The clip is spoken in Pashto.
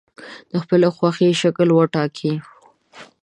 د خپلې خوښې شکل وټاکئ.